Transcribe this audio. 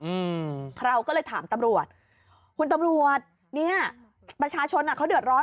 อืมเราก็เลยถามตำรวจคุณตำรวจเนี้ยประชาชนอ่ะเขาเดือดร้อน